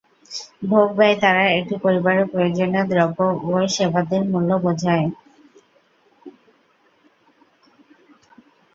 ভোগ-ব্যয় দ্বারা একটি পরিবারের প্রয়োজনীয় দ্রব্য ও সেবাদির মূল্য বোঝায়।